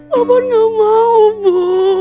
papa gak mau bu